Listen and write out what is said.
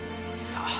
さあ。